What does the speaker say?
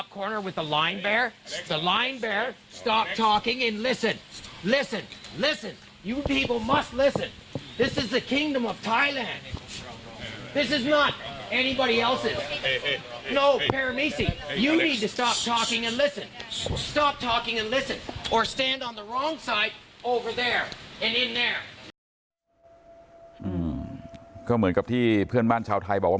ก็เหมือนกับที่เพื่อนบ้านชาวไทยบอกว่า